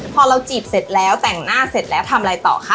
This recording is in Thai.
พอเราจีบเสร็จแล้วแต่งหน้าเสร็จแล้วทำอะไรต่อคะ